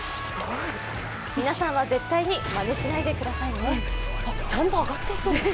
皆さんは絶対にまねしないでくださいね。